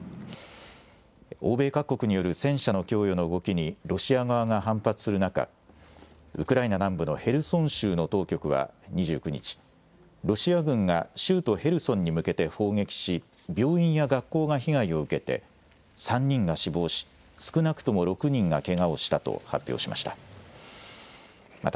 欧米各国による戦車の供与の動きに、ロシア側が反発する中、ウクライナ南部のヘルソン州の当局は２９日、ロシア軍が州都ヘルソンに向けて砲撃し、病院や学校が被害を受けて、３人が死亡し、少なくとも６人がけがをしたと発表しました。